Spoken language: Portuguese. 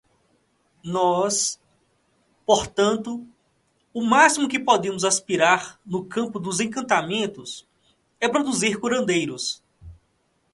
Nós, portanto, o máximo que podemos aspirar no campo dos encantamentos é produzir curandeiros.